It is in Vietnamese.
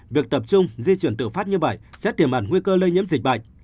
việc tập trung di chuyển tự phát như vậy sẽ tiềm ẩn nguy cơ lây nhiễm dịch bệnh